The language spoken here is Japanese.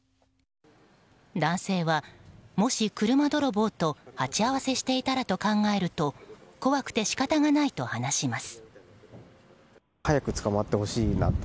男性は、もし車泥棒と鉢合わせしていたらと考えると怖くて仕方がないと話します。